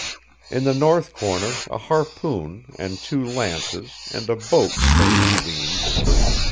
In the north corner, a harpoon, and two lances, and a boat spade leaned.